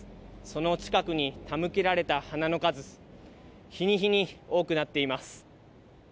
その近くに手向けられた花の数は日に日に多くなっています。